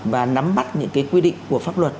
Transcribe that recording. và nắm bắt những quy định của pháp luật